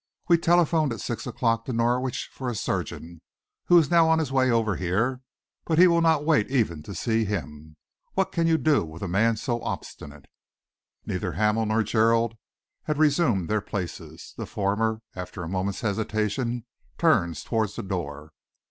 We telephoned at six o'clock to Norwich for a surgeon, who is now on his way over here, but he will not wait even to see him. What can you do with a man so obstinate!" Neither Hamel nor Gerald had resumed their places. The former, after a moment's hesitation, turned towards the door.